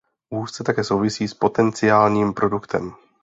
Úzce také souvisí s potenciálním produktem.